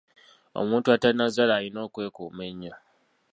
Omuntu atannazaala alina okwekuuma ennyo.